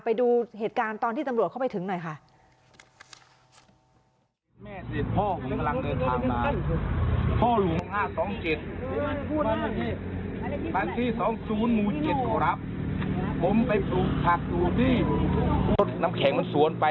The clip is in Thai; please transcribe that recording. ไปดูเหตุการณ์ตอนที่ตำรวจเข้าไปถึงหน่อยค่ะ